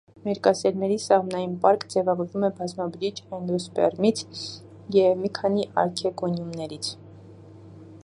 Մերկասերմերի սաղմնային պարկ ձևավորվում է բազմաբջիջ, էնդոսպերմից և մի քանի արքեգոնիումներից։